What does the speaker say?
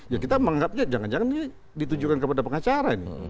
ya kita menganggapnya jangan jangan ditunjukkan kepada pengacara ini